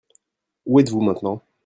Où êtes-vous maintenant ?